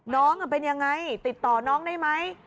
น้องเป็นยังไงติดต่อน้องได้ไหม